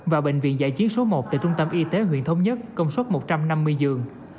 và bệnh viện giã chiến số một tại trung tâm y tế huyện thống nhất công suất một trăm năm mươi giường